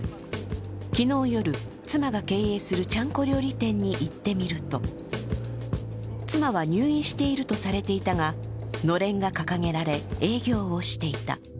昨日夜、妻が経営するちゃんこ料理店に行ってみると妻は入院しているとされていたが、のれんが掲げられ、営業していた。